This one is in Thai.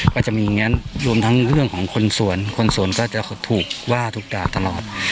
ก็จะมีอย่างนั้นรวมทั้งเรื่องของคนสวนคนสวนก็จะถูกว่าถูกด่าตลอด